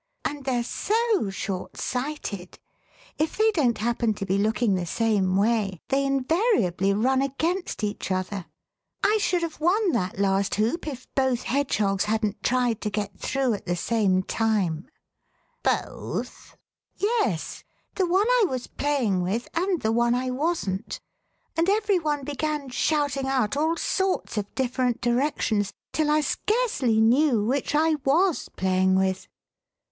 And they're so short sighted ; if they don't happen to be looking the same way they invariably run against each other. 1 should have won that last hoop if both 37 The Westminster Alice hedgehogs hadn't tried to get through at the same time." *' Both ?"Yes, the one I was playing with and the one I wasn't. And every one began shouting out all sorts of different directions till I scarcely knew which I was playing with.